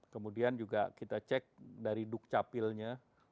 kemudian juga kita cek dari dukcapilnya